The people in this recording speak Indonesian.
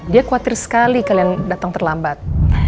dia khawatir sekali kalian datang terlambat